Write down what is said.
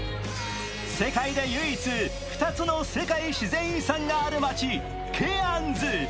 世界で唯一、２つの世界自然遺産がある街、ケアンズ。